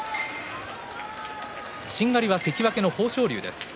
しんがりは関脇の豊昇龍です。